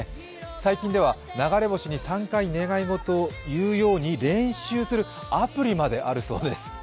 最近では流れ星に３回、願い事を言うように練習するアプリまであるそうです。